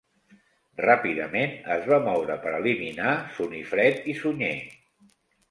Ràpidament es va moure per eliminar Sunifred i Sunyer.